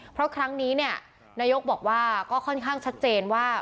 เพราะครั้งนี้เนี่ยนายกบอกว่าก็ค่อนข้างชัดเจนว่า